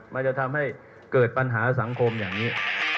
มันจะทำให้เกิดปัญหาสังคมอย่างนี้